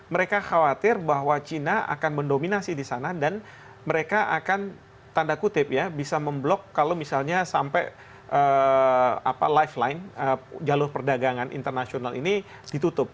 mereka khawatir bahwa china akan mendominasi di sana dan mereka akan tanda kutip ya bisa memblok kalau misalnya sampai lifeline jalur perdagangan internasional ini ditutup